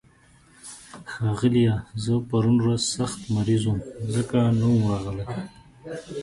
ښاغليه، زه پرون ورځ سخت مريض وم، ځکه نه وم راغلی.